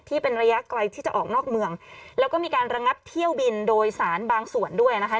ที่เป็นระยะไกลที่จะออกนอกเมืองแล้วก็มีการระงับเที่ยวบินโดยสารบางส่วนด้วยนะคะ